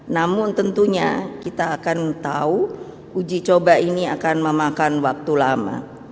namun tentunya kita akan tahu uji coba ini akan memakan waktu lama